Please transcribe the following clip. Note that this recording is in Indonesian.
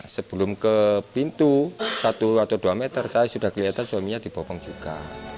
sebelum ke pintu satu atau dua meter saya sudah kelihatan suaminya dibopong juga